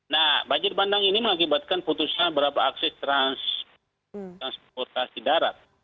nah banjir bandang ini mengakibatkan putusan berapa akses transportasi darat